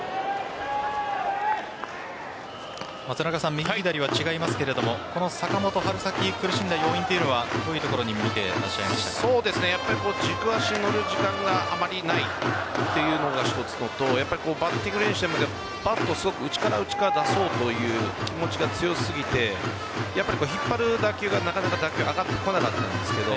右、左は違いますけれどもこの坂本、春先苦しんだ要因というのはどういうところに軸足に乗る時間があまりないというのが一つとバッティング練習を見ていてもバットを内から出そうという気持ちが強すぎて引っ張る打球がなかなか上がってこなかったんですけど